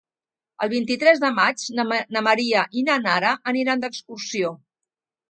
El vint-i-tres de maig na Maria i na Nara aniran d'excursió.